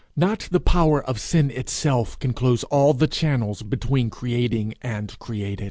Not the power of sin itself can close all the channels between creating and created.